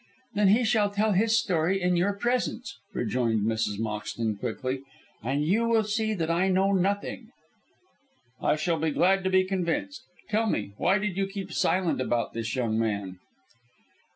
"Then he shall tell his story in your presence," rejoined Mrs. Moxton, quickly, "and you will see that I know nothing." "I shall be glad to be convinced. Tell me, why did you keep silent about this young man?"